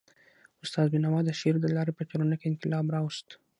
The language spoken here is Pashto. استاد بینوا د شعر د لاري په ټولنه کي انقلاب راوست.